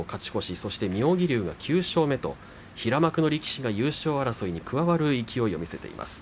そして妙義龍９勝目と平幕の力士が優勝争いに加わる勢いを見せています。